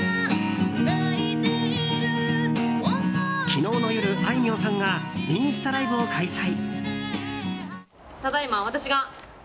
昨日の夜、あいみょんさんがインスタライブを開催。